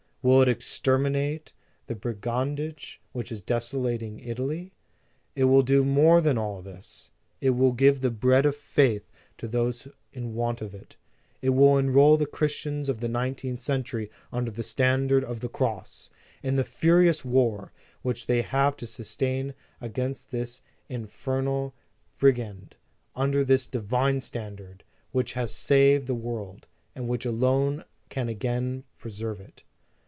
Will it exterminate the brigandage which is desola ting Italy ?... It will do more than all this. It will give the bread of faith to those in want of it. It will enroll the Christians of the nineteenth century under the standard of the Cross, in the furious war which they have to sustain against the infernal brigand under ^> this divine standard, which has saved the world, and which alone can again preserve it.